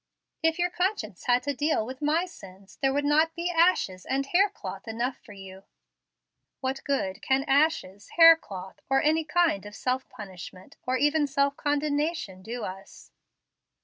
If your conscience had to deal with my sins there would not be ashes and hair cloth enough for you." "What good can ashes, hair cloth, or any kind of self punishment, or even self condemnation, do us?"